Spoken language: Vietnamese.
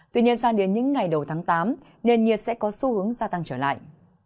tuy nhiên sang đến những ngày đầu tháng tám nền nhiệt sẽ có xu hướng gia tăng trở lại